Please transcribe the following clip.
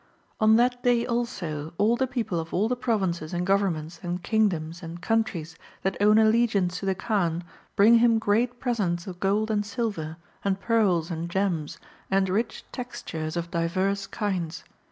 i On that day also all the people of all the provinces and governments and kingdoms and countries that own alleo iance to the Kaan brino him great presents of gold and silver, and pearls and gems, and rich textures of divers kinds.